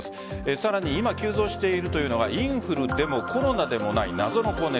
さらに今急増しているのがインフルでもコロナでもない謎の高熱。